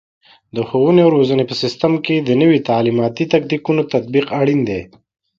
د ښوونې او روزنې په سیستم کې د نوي تعلیماتي تکتیکونو تطبیق اړین دی.